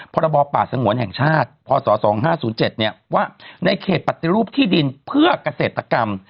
พรบป่าสงวนแห่งชาติพศ๒๕๐๗ว่าในเขตปฏิรูปที่ดินเพื่อเกษตรกรรม